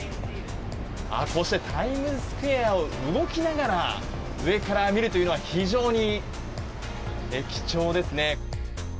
こうして、タイムズスクエアを動きながら、上から見るというのは、非常に貴重ですね。